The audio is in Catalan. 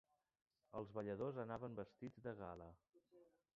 Els balladors anaven vestits de gala.